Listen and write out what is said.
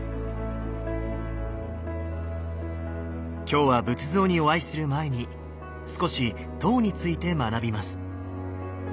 今日は仏像にお会いする前に少し塔について学びます。